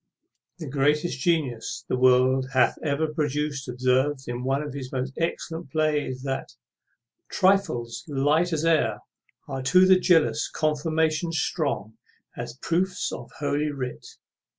The greatest genius the world hath ever produced observes, in one of his most excellent plays, that Trifles, light as air, Are to the jealous confirmations strong As proofs of holy writ.